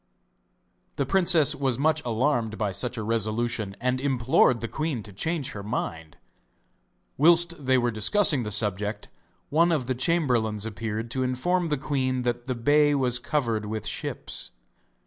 The princess was much alarmed by such a resolution, and implored the queen to change her mind. Whilst they were discussing the subject, one of the chamberlains appeared to inform the queen that the bay was covered with ships.